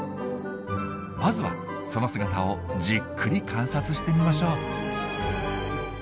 まずはその姿をじっくり観察してみましょう。